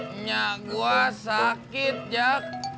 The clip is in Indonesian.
minyak gue sakit jack